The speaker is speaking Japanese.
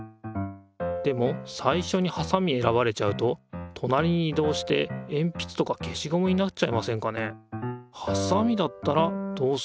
でもさいしょにはさみ選ばれちゃうととなりに移動してえんぴつとか消しゴムになっちゃいませんかね？